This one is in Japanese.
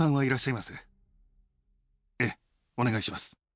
ええお願いします。